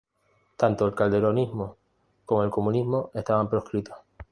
Tanto el calderonismo como el comunismo estaban proscritos.